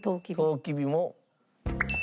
とうきびも。